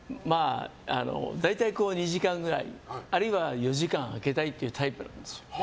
大体２時間くらいあるいは４時間空けたいっていうタイプなんですよ。